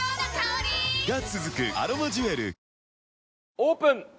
オープン！